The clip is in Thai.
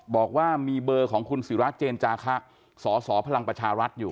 บอกว่ามีเบอร์ของคุณศิราเจนจาคะสสพลังประชารัฐอยู่